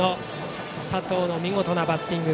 佐藤の見事なバッティング。